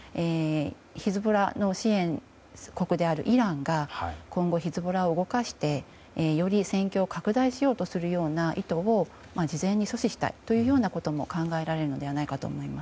ヒズボラの支援国であるイランが今後ヒズボラを動かしてより戦況を拡大するような意図を事前に阻止したいということも考えられると思います。